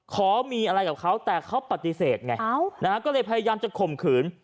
ขอมีอะไรกับเขาแต่เขาปฏิเสธไงก็เลยพยายามจะข่มขืน